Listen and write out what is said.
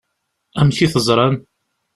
Amek i t-ẓṛan?